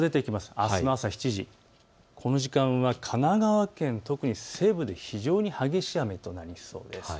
あすの朝７時、この時間は神奈川県、特に西部で非常に激しい雨となりそうです。